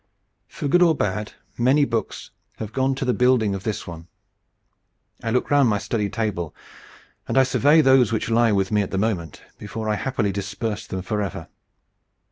For good or bad, many books have gone to the building of this one. I look round my study table and I survey those which lie with me at the moment, before I happily disperse them forever.